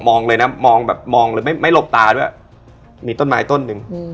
เลยนะมองแบบมองเลยไม่ไม่หลบตาด้วยมีต้นไม้ต้นหนึ่ง